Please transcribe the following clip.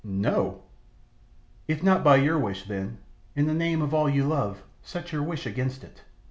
"No!" "If not by your wish, then, in the name of all you love, set your wish against it.